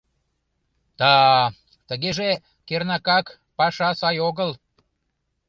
— Да-а, тыгеже, кернакак, паша сай огыл.